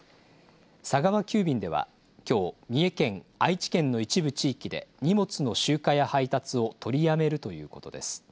佐川急便ではきょう三重県、愛知県の一部地域で荷物の集荷や配達を取りやめるということです。